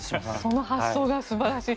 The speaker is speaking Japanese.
その発想が素晴らしい。